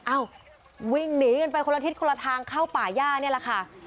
อ้าววิ่งหนีกันไปคนละทิศคนละทางเข้าป่าย่านี่แหละค่ะ